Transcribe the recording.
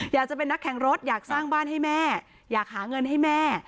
อยากจะเป็นนักแข่งรถอยากสร้างบ้านให้แม่อยากหาเงินให้แม่